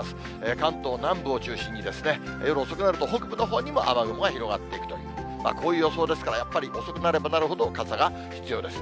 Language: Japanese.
関東南部を中心に、夜遅くなると北部のほうにも雨雲が広がっていくと、こういう予想ですから、やっぱり遅くなればなるほど、傘が必要です。